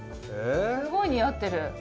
すごい似合ってる。